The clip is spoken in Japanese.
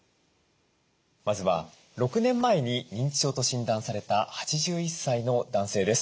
まずは６年前に認知症と診断された８１歳の男性です。